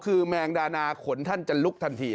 คือแมงดานาขนท่านจะลุกทันที